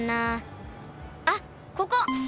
あっここ！